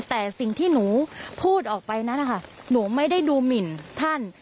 แต่สิ่งที่หนูพูดออกไปนั้นนะคะหนูไม่ได้ดูหมินท่าน